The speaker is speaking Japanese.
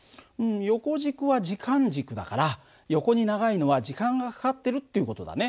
横軸は時間軸だから横に長いのは時間がかかってるっていう事だね。